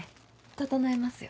整えますよ。